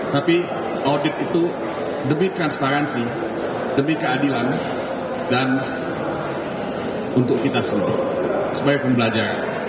tapi audit itu demi transparansi demi keadilan dan untuk kita sendiri sebagai pembelajar